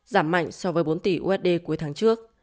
giảm mạnh so với bốn tỷ usd cuối tháng trước